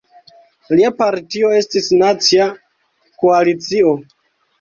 Lia partio estis Nacia Koalicio.